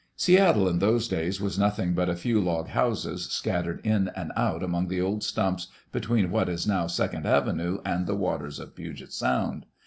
Seattle, in those days, was nothing but a few log houses scattered in and out among the old stumps between what is now Second Avenue and the waters of Puget Sound.